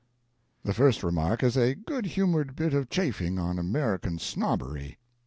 The first remark is a good humored bit of chaffing on American snobbery.